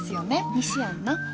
西やんな？